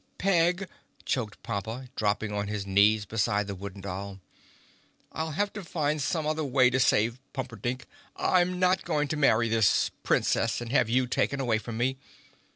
"Peg," choked Pompa, dropping on his knees beside the Wooden Doll, "I'll have to find some other way to save Pumperdink. I'm not going to marry this Princess and have you taken away from me.